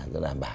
rất đảm bảo